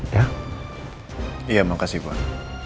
ya makasih pak